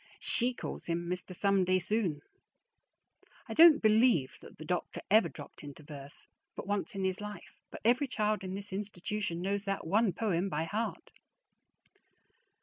She calls him "Mister Someday Soon." I don't believe that the doctor ever dropped into verse but once in his life, but every child in this institution knows that one poem by heart.